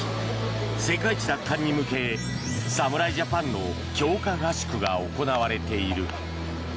世界一奪還に向け侍ジャパンの強化合宿が行われている。